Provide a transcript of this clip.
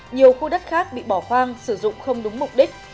nhiều khu đất khác bị bỏ hoang sử dụng không đúng mục đích